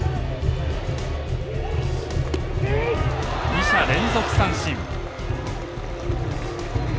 二者連続三振。